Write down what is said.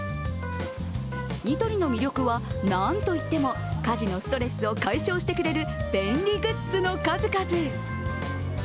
ニトリの魅力はなんといっても家事のストレスを解消してくれる便利グッズの数々。